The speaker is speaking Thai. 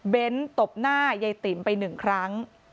ตบหน้ายายติ๋มไปหนึ่งครั้ง